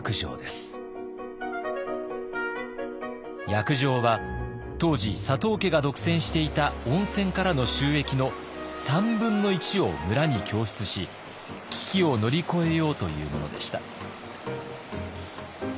約定は当時佐藤家が独占していた温泉からの収益の３分の１を村に供出し危機を乗り越えようというものでした。